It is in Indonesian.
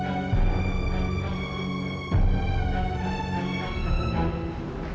kamu kan jadi malaikat kecil aku